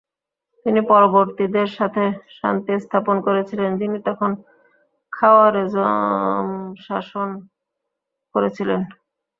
তিনি পরবর্তীদের সাথে শান্তি স্থাপন করেছিলেন যিনি তখন খওয়ারেজম শাসন করেছিলেন।